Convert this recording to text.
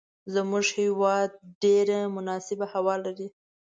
زموږ هیواد ډیره مناسبه هوا لری